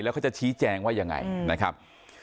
แล้วเขาจะชี้แจงว่าอย่างไรนะครับ